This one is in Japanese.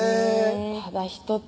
ただ１つ